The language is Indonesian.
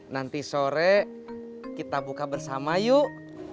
nanti sore kita buka bersama yuk